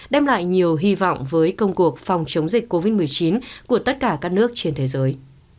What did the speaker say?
đem lại nhiều hy vọng với công cuộc phòng chống dịch covid một mươi chín của tất cả các nước trên thế giới